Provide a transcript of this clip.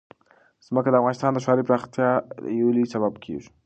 ځمکه د افغانستان د ښاري پراختیا یو لوی سبب کېږي.